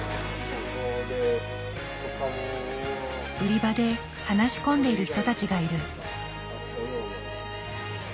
売り場で話し込んでいる人たちがいる。